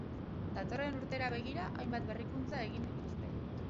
Datorren urtera begira, hainbat berrikuntza egin dituzte.